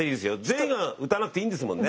全員が歌わなくていいんですもんね。